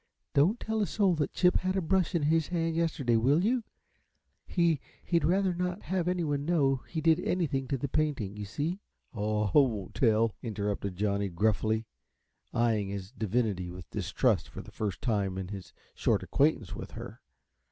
"Don't tell a soul that Chip had a brush in his hand yesterday, will you? He he'd rather not have anyone know he did anything to the painting, you see." "Aw, I won't tell," interrupted Johnny, gruffly, eying his divinity with distrust for the first time in his short acquaintance with her.